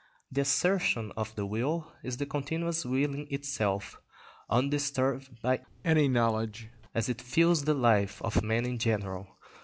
The assertion of the will is the continuous willing itself, undisturbed by any knowledge, as it fills the life of man in general.